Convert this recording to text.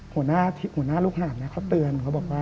หัวหน้าลูกหาดเขาเตือน